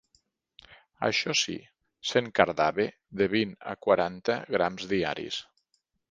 Això sí, se'n cardava de vint a quaranta grams diaris.